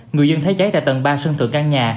người dân thấy cháy tại tầng ba sân thượng căn nhà